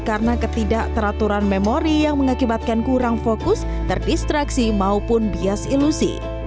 karena ketidakteraturan memori yang mengakibatkan kurang fokus terdistraksi maupun bias ilusi